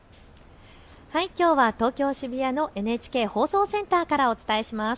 きょうは東京渋谷のＮＨＫ放送センターからお伝えします。